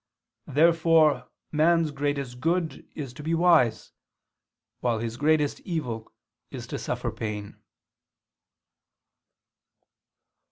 Therefore man's greatest good is to be wise: while his greatest evil is to suffer pain."